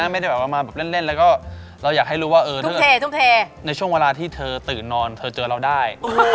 มาเล่นแล้วก็เราอยากให้รู้ว่าในช่วงเวลาที่เธอตื่นนอนเธอเจอเราได้